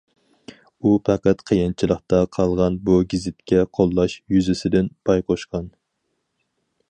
ئۇ پەقەت قىيىنچىلىقتا قالغان بۇ گېزىتكە قوللاش يۈزىسىدىن پاي قوشقان.